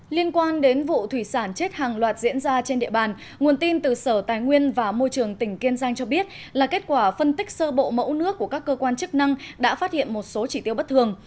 liên quan đến vụ thủy sản chết hàng loạt diễn ra trên địa bàn nguồn tin từ sở tài nguyên và môi trường tỉnh kiên giang cho biết là kết quả phân tích sơ bộ mẫu nước của các cơ quan chức năng đã phát hiện một số chỉ tiêu bất thường